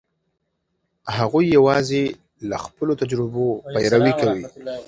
هغوی یواځې له خپلو تجربو پیروي کوي.